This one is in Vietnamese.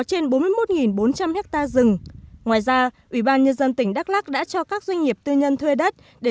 trên bốn mươi một bốn trăm linh hecta rừng ngoài ra ubnd tỉnh đắk lắc đã cho các doanh nghiệp tư nhân thuê đất để